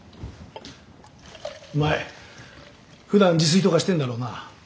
お前ふだん自炊とかしてんだろうな。